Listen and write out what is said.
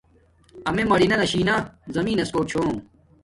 امیے مارنہ ناشی نا زمین نس کوٹ چھوم